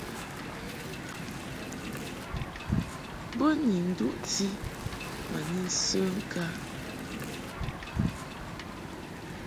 Bo ni nduʼti ma ni nsə ŋkǎ.